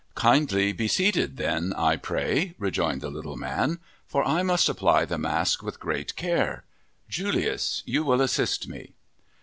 "Kindly be seated then, I pray," rejoined the little man. "For I must apply the mask with great care. Julius, you will assist me!"